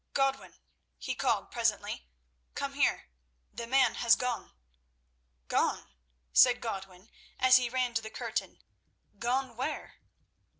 "Godwin," he called presently, "come here. The man has gone!" "Gone?" said Godwin as he ran to the curtain. "Gone where?"